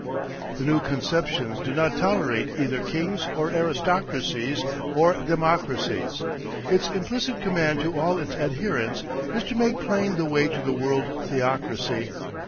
The new conceptions do not tolerate either kings or aristocracies or democracies. Its implicit command to all its adherents is to make plain the way to the world theocracy.